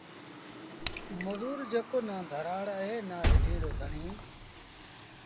مزوٚر جيڪو نا ڌرآڙ اهي نا رڍينٚ رو ڌڻيٚ